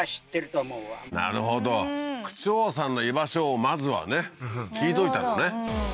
はいなるほど区長さんの居場所をまずはね聞いといたのね